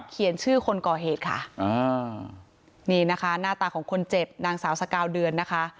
เขียนชื่อคนก่อเหตุค่ะอ่านี่นะคะหน้าตาของคนเจ็บนางสาวสกาวเดือนนะคะ